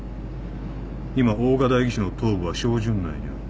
今大賀代議士の頭部は照準内にある。